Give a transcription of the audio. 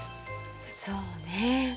そうね。